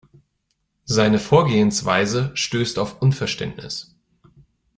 Seine Vorgehensweise stößt auf Unverständnis.